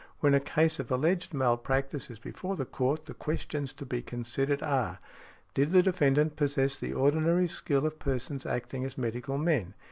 When a case of alleged malpractice is before the court, the questions to be considered are: Did the defendant possess the ordinary skill of persons acting as medical men?